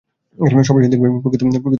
সবশেষে দেখবে, প্রকৃত সূর্য লক্ষ মাইল জুড়ে।